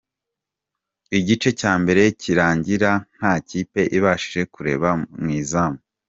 Igice cya mbere kirangira nta kipe ibashije kureba mu izamu.